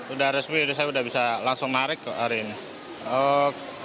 udah resmi udah saya bisa langsung narik hari ini